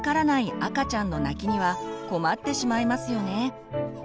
赤ちゃんの泣きには困ってしまいますよね。